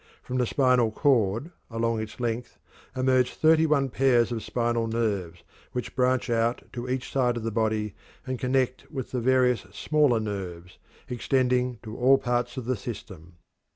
From the spinal cord, along its length, emerge thirty one pairs of spinal nerves which branch out to each side of the body and connect with the various smaller nerves, extending to all parts of the system.